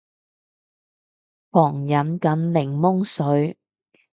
狂飲緊檸檬水